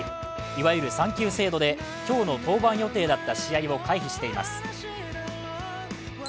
いわゆる産休制度で今日の登板予定だった試合を回避しています。